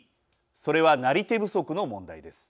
それはなり手不足の問題です。